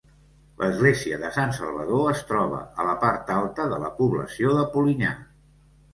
L'església de Sant Salvador es troba a la part alta de la població de Polinyà.